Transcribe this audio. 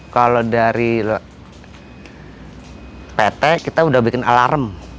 kalau dari pt kita udah bikin alarm